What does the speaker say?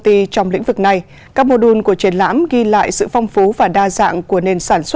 ty trong lĩnh vực này các mô đun của triển lãm ghi lại sự phong phú và đa dạng của nền sản xuất